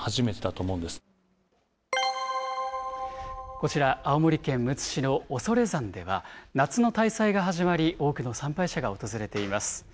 こちら、青森県むつ市の恐山では、夏の大祭が始まり、多くの参拝者が訪れています。